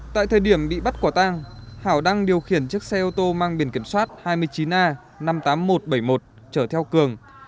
tại thời điểm bị bắt quả tang hảo đang điều khiển chiếc xe ô tô mang biển kiểm soát hai mươi chín a năm mươi tám nghìn một trăm bảy mươi một chở theo cường